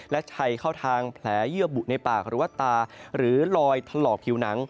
และชัยเข้าทางแผลเยื่อบุในปากหรือว่าตาหรือลอยถลอกผิวหนัง